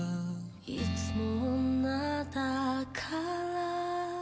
「いつも女だから」